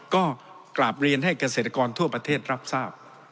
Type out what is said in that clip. ก็กราบเรียนให้เกษตรกรทั่วประเทศรับทราบ